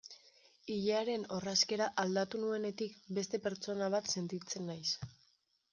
Ilearen orrazkera aldatu nuenetik beste pertsona bat sentitzen naiz.